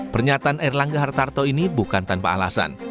pernyataan erlangga hartarto ini bukan tanpa alasan